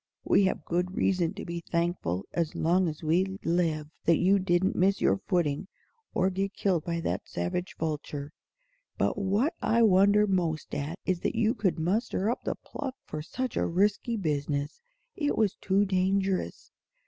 We have good reason to be thankful as long as we live that you didn't miss your footing or get killed by that savage vulture. But what I wonder most at is that you could muster up the pluck for such a risky business. It was too dangerous."